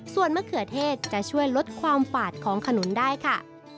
ส่วนมะเขือเทศจะช่วยลดความฝาดของขนุนได้ค่ะ